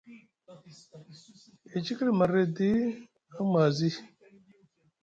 E cikili marɗi edi aŋ mazi.